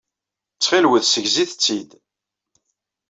Ttxilwet ssegzit-t-id.